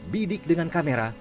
bidik dengan kamera